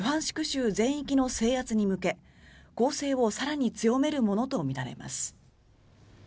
州全域の制圧に向け攻勢を更に強めるものとみられます。